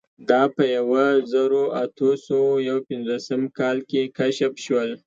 دا په یوه زرو اتو سوو یو پنځوسم کال کې کشف شول.